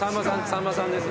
さんまさん。